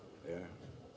tapi mereka itu adalah